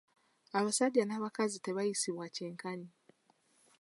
Abasajja n'abakazi tebayisibwa kyenkanyi.